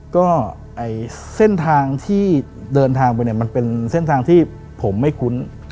ก็เส้นทางที่เดินทางไปเนี่ยมันเป็นเส้นทางที่ผมไม่คุ้น